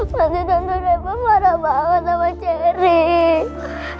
nanti tante reva marah banget sama cherry